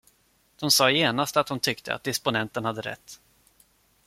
De sade genast att de tyckte att disponenten hade rätt.